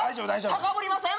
高ぶりません？